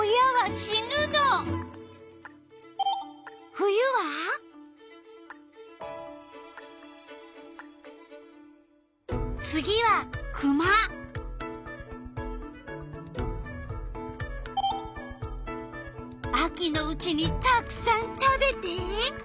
秋のうちにたくさん食べて。